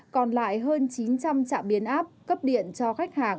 còn lại hơn chín trăm linh trạm biến áp cấp điện cho khách hàng